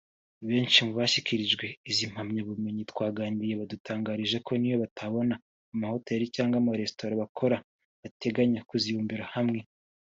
Benshi mu bashyikirijwe izi mpamyabumenyi twaganiriye badutangarije ko n’iyo batabona amahoteli cyangwa amaresitora bakora bateganya kuzibumbira hamwe